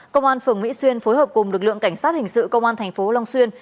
công an phường mỹ xuyên phối hợp cùng lực lượng cảnh sát hình sự công an tp long xuyên